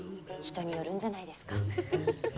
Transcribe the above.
人によるんじゃないですか。